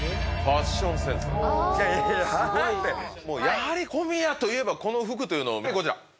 やはり小宮といえばこの服というのをこちら！